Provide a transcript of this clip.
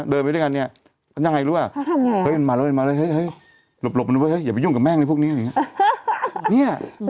เดินไปด้วยกันนี่